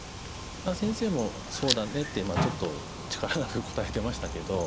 先生も「そうだね」ってちょっと力なく答えてましたけど。